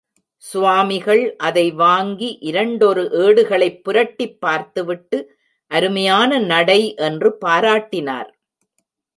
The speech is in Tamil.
சுவாமிகள் அதை வாங்கி இரண்டொரு ஏடுகளைப் புரட்டிப் பார்த்துவிட்டு, அருமையான நடை என்று பாராட்டினார்.